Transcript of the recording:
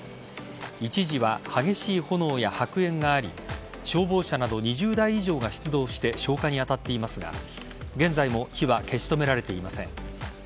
一時は激しい炎や白煙があり消防車など２０台以上が出動して消火に当たっていますが現在も火は消し止められていません。